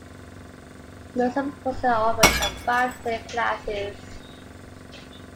Most of the courses offered are five-day classes.